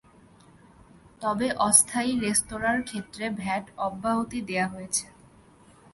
তবে অস্থায়ী রেস্তোরাঁর ক্ষেত্রে ভ্যাট অব্যাহতি দেওয়া হয়েছে।